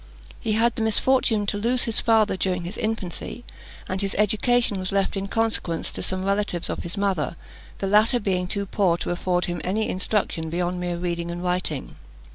He had the misfortune to lose his father during his infancy, and his education was left in consequence to some relatives of his mother, the latter being too poor to afford him any instruction beyond mere reading and writing.